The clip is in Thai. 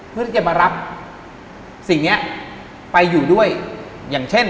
เพื่อที่จะมารับสิ่งนี้ไปอยู่ด้วยอย่างเช่น